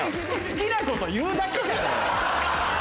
好きなこと言うだけじゃない！